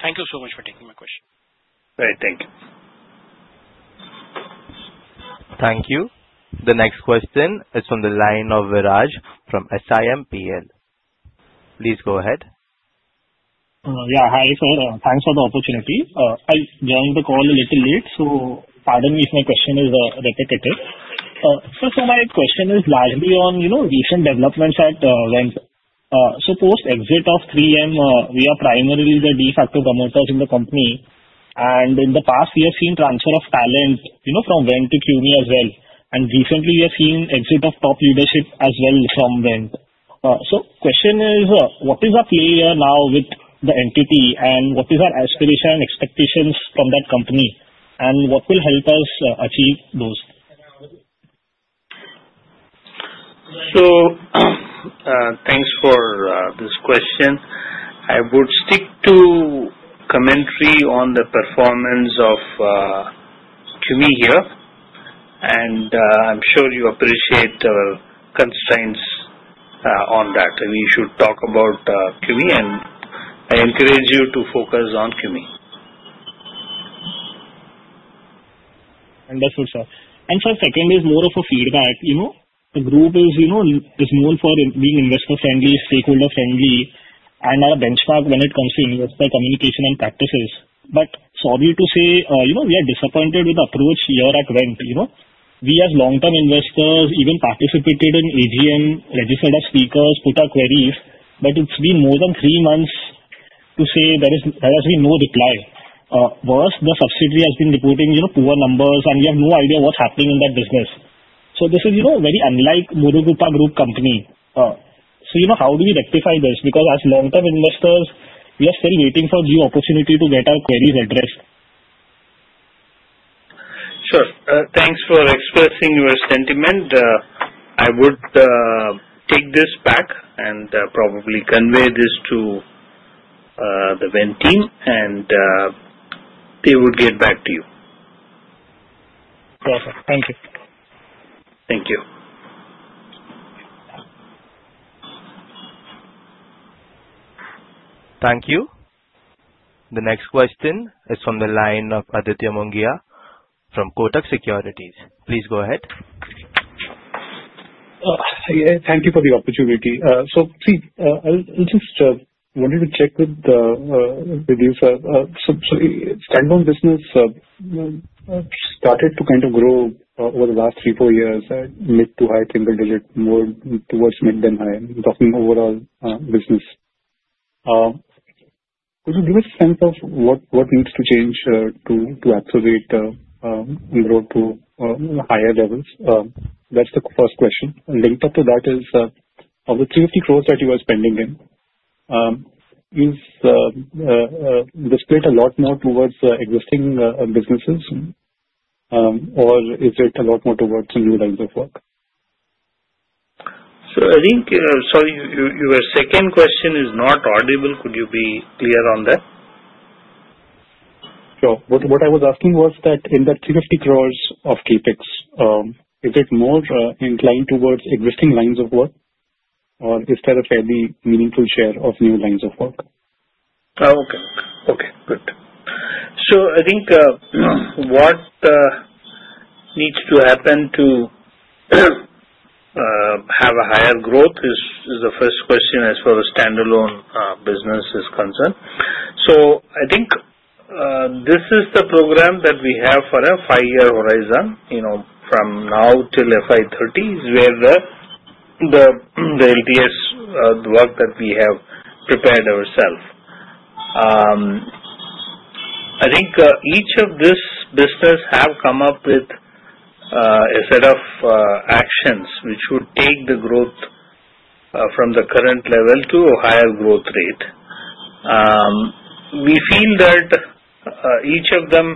Thank you so much for taking my question. Thank you. Thank you. The next question is from the line of Viraj from SiMPL. Please go ahead. Yeah, hi sir, thanks for the opportunity. I joined the call a little late, so pardon me if my question is repetitive. So my question is largely on recent developments at Wendt. So post exit of 3M we are primarily the de facto promoters in the company and in the past we have seen transfer of talent from Wendt to CUMI as well. And recently we have seen exit of top leadership as well from Wendt. So question is what is our play here now with the entity and what is our aspiration and expectations from that company and what will help us achieve those. So thanks for this question. I would stick to commentary on the performance of CUMI here and I'm sure you appreciate our constraints on that. We should talk about CUMI and I encourage you to focus on CUMI. Understood, sir. And sir, second is more of a feedback. You know the group is known for being investor friendly, stakeholder friendly and are a benchmark when it comes to investor communication and practices. But sorry to say we are disappointed with the approach here at Wendt. We as long term investors even participated in AGM, registered our speakers, put our queries, but it's been more than three months to say there has been no reply. Worse, the subsidiary has been reporting poor numbers and we have no idea what's happening in that business. So this is very unlike Murugappa Group company. So you know, how do we rectify this? Because as long term investors we are still waiting for the opportunity to get our queries addressed. Sure. Thanks for expressing your sentiment. I would take this back and probably convey this to the Wendt team and they would get back to you. Thank you. Thank you. Thank you. The next question is from the line of Aditya Mongia from Kotak Securities. Please go ahead. Thank you for the opportunity. So see I just wanted to check with you sir. Standalone business. Started to kind of grow over the last 34 years. Mid to high, single digit more towards mid than high. Talking overall business. Could you give us? A sense of what needs to change to accelerate to higher levels? That's the first question linked up to that is of the 350 crores that you are spending in, is. The split a lot more towards existing businesses or is it a lot more towards new lines of work? So I think so your second question is not audible. Could you be clear on that? Sure. What I was asking was that in that 350 crores of Capex is it more inclined towards existing lines of work or is there a fairly meaningful share of new lines of work? Okay. Okay, good. So I think what needs to happen to. Having higher growth is the first question. As far as the standalone business is concerned. So I think this is the program that we have for a five-year horizon from now till FY30 is where. The LTS work that we have prepared ourselves. I think each of this business have come up with a set of actions which would take the growth from the current level to a higher growth rate. We feel that each of them.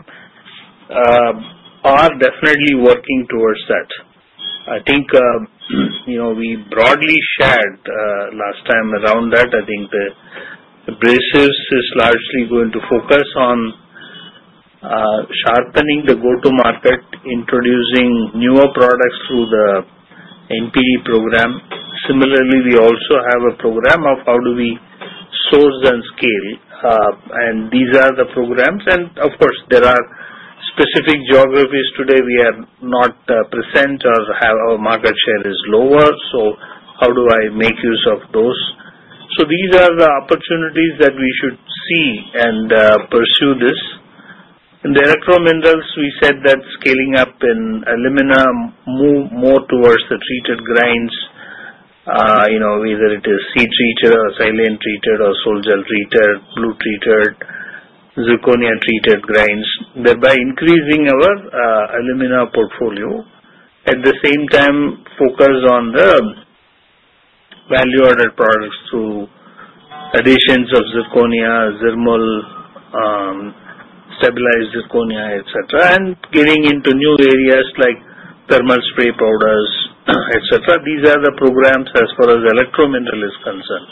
are definitely working towards that. I think we broadly shared last time around that I think the abrasives is largely going to focus on. Sharpening the go-to-market, introducing newer products through the NPD program. Similarly, we also have a program of how do we source and scale, and these are the programs. And of course there are specific geographies today we are not present or our market share is lower, so how do I make use of those? So these are the opportunities that we should see and pursue this. In the Electro Minerals we said that scaling up in alumina, move more towards the treated grains whether it is seed treated or silane treated or sol-gel treated, blue treated, Zirconia treated grains, thereby increasing our alumina portfolio. At the same time focus on the value-added products through additions of Zirconia, thermal. Stabilized Zirconia, etc. And getting into new areas like Thermal Spray Powders, etc. These are the programs as far as Electro Minerals is concerned.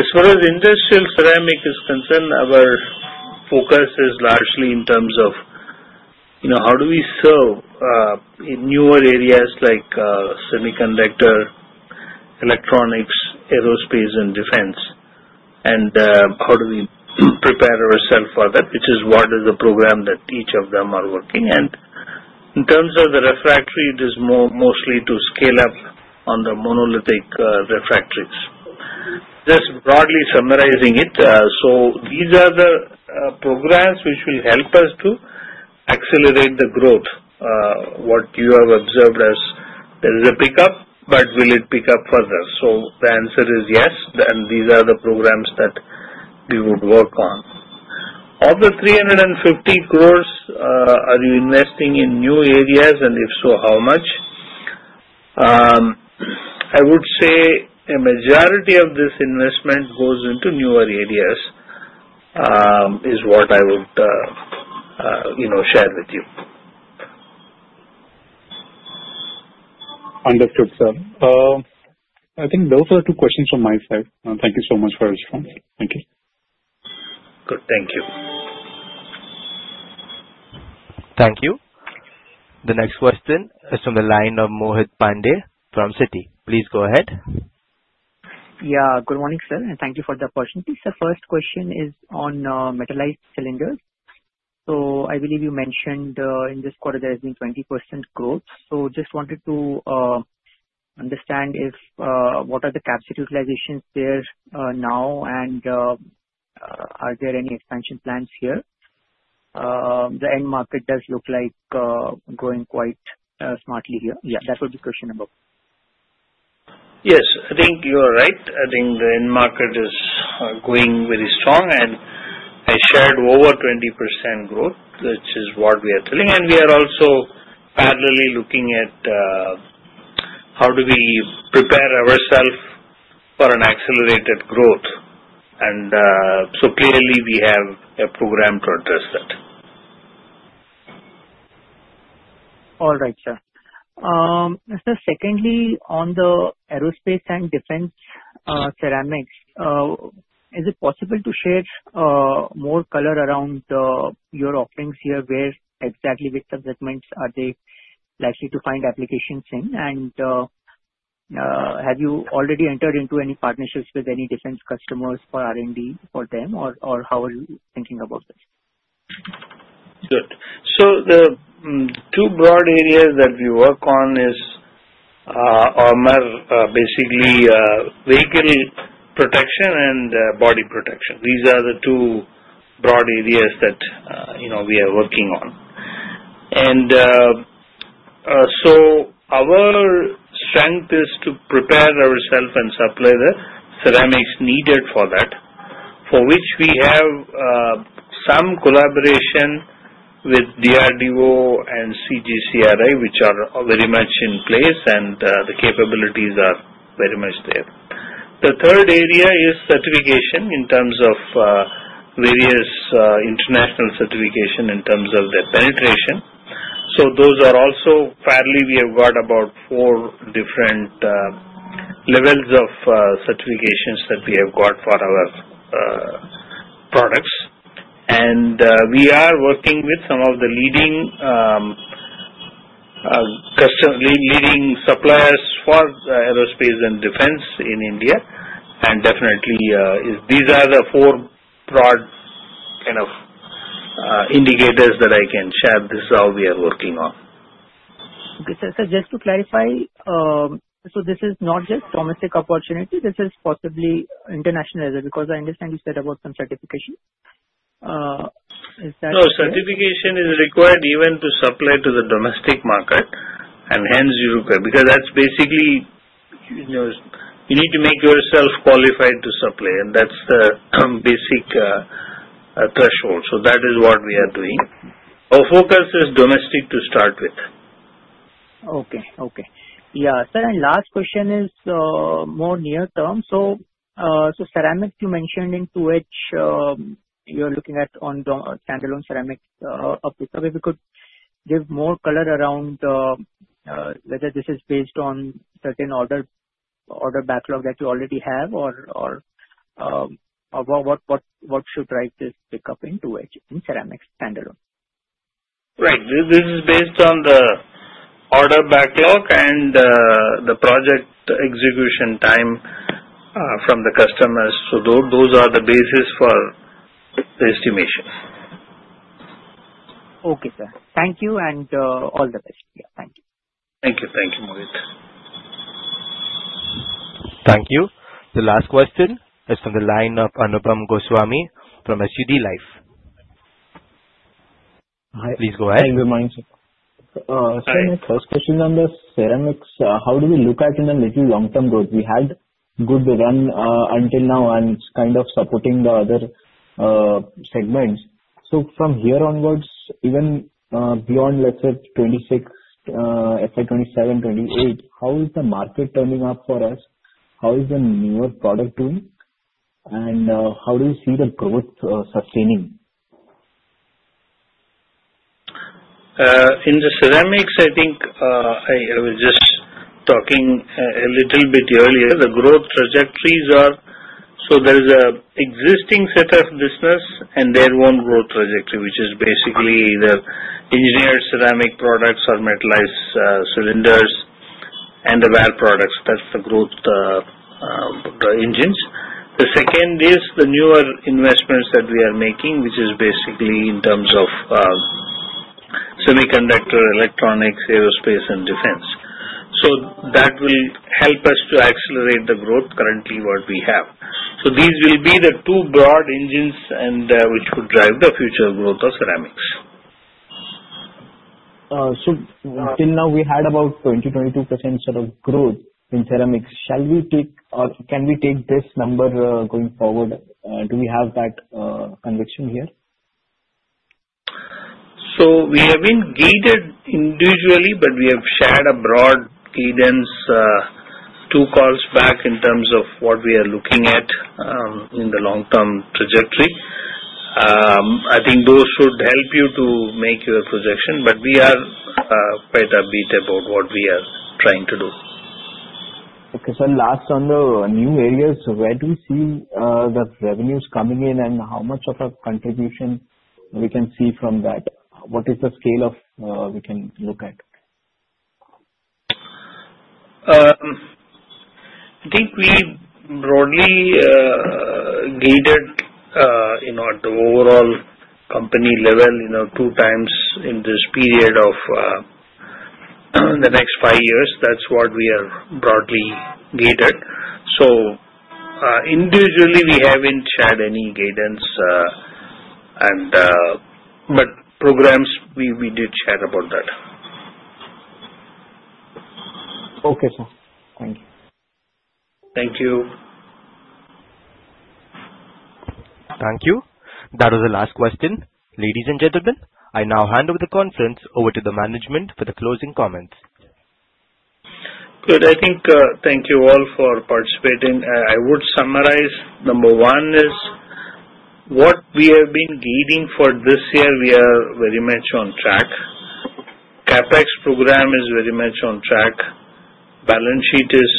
As far as Industrial Ceramics is concerned, our focus is largely in terms of how do we serve in newer areas like semiconductors, electronics, aerospace and defense. And how do we prepare ourselves for that? Which is what is the program that each of them are working? And in terms of the Refractories, it is mostly to scale up on the Monolithic Refractories. Just broadly summarizing it. These are the programs which will help us to accelerate the growth. What you have observed as there is a pickup, but will it pick up further? The answer is yes. And these are the programs that we would work on of the 350 crores. Are you investing in new areas and if so, how much? I would say a majority of this investment goes into newer areas. Is what I would, you know, shared with you. Understood, sir. I think those are two questions from my side. Thank you so much for response. Thank you. Good. Thank you. Thank you. The next question is from the line of Mohit Pandey from Citi. Please go ahead. Yeah, good morning, sir, and thank you for the opportunity. The first question is on Metallized Cylinders. So I believe you mentioned in this quarter there has been 20% growth. So just wanted to understand what are the capacity utilizations there now and are there any expansion plans here? The end market does look like growing quite smartly here. Yeah, that would be question number one. Yes, I think you are right. I think the end market is going really strong. And I shared over 20% growth, which is what we are telling. And we are also parallel looking at how do we prepare ourselves for an accelerated growth. And so clearly we have a program to address that. All right, sir. Secondly, on the Aerospace and Defense Ceramics, is it possible to share more color around your offerings here? Where exactly which sub segments are they likely to find applications in? And. Have you already entered into any partnerships with any defense customers for R&D for them or how are you thinking about this? Good. The two broad areas that we work on is Armor, basically vehicle protection and body protection. These are the two broad areas that we are working on. And. So our strength is to prepare ourselves and supply the Ceramics needed for that. For which we have some collaboration with DRDO and CGCRI, which are very much in place and the capabilities are very much there. The third area is certification in terms of various international certification in terms of their penetration. So those are also fairly. We have got about four different levels of certifications that we have got for our. Products and we are working with some of the leading. Customers, leading suppliers for aerospace and defense in India, and definitely these are the four broad kind of indicators that I can share. This is how we are working on. Just to clarify. So this is not just domestic opportunity, this is possibly international. Because I understand you said about some certification. No certification is required even to supply to the domestic market, and hence you require, because that's basically. You need to make yourself qualified to supply. And that's the basic threshold. So that is what we are doing. Our focus is domestic to start with. Okay. Yeah, sir, and last question is more near term. So, Ceramics you mentioned in 2H, you're looking at on standalone Ceramics. If you could give more color around whether this is based on certain order backlog that you already have or. What. Should drive this pick up into edge in Ceramics. Standalone. Right. This is based on the order backlog and the project execution time from the customers, so those are the basis for the estimation. Okay, sir, thank you and all the best. Thank you. Thank you, thank you. Thank you. The last question is from the line of Anupam Goswami from SUD Life. Please go ahead. My first question on the Ceramics. How do we look at in a little long-term growth? We had good run until now and kind of supporting the other segments. So from here onwards, even beyond, let's say FY 2026, 2027, 2028, how is the market turning up for us? How is the newer product doing and how do you see the growth sustaining? In the Ceramics? I think I was just talking a little bit earlier. The growth trajectories are. So there is an existing set of business and their own growth trajectory, which is basically either engineered Ceramic products or Metallized Cylinders and the VAL products. That's the growth driving. The second is the newer investments that we are making, which is basically in terms of. Semiconductor, electronics, aerospace, and defense. So that will help us to accelerate the growth currently what we have. So these will be the two broad engines which could drive the future growth of Ceramics. So till now we had about 20%-22% sort of growth in Ceramics. Shall we take or can we take this number going forward? Do we have that conviction here? So we have been gated individually, but we have shared a broad cadence two calls back in terms of what we are looking at in the long term trajectory. I think those should help you to make your projection. But we are quite upbeat about what we are trying to do. Okay, sir, last on the new areas, where do we see the revenues coming in and how much of a contribution we can see from that? What is the scale of we can look at? I think we broadly gated the overall company level, you know, two times in this period of. The next five years. That's what we are broadly gated. So individually we haven't shared any guidance, but programs we did share about that. Okay sir thank you. Thank you. Thank you. That was the last question, ladies and gentlemen. I now hand over the conference to the management for the closing comments. Good. I think, thank you all for participating. I would summarize. Number one is what we have been gaining for this year. We are very much on track. CapEx program is very much on track. Balance sheet is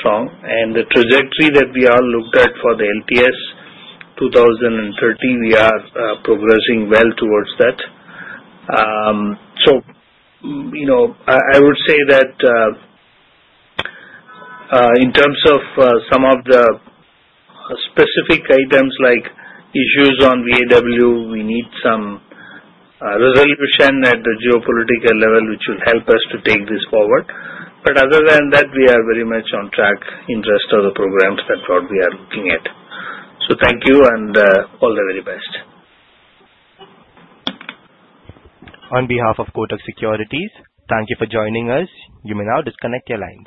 strong, and the trajectory that we all looked at for the LTS 2030, we are progressing well towards that. You know, I would say that. In terms of some of the specific items like issues on VAW, we need some resolution at the geopolitical level which will help us to take this forward, but other than that, we are very much on track in terms of the programs that we are looking at. So thank you and all the very best. On behalf of Kotak Securities. Thank you for joining us. You may now disconnect your lines.